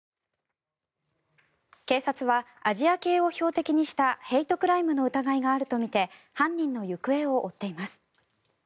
警察はアジア系を標的にしたヘイトクライムの疑いがあるとみて犯人の行方を追っています。